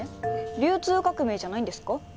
流通革命じゃないんですか？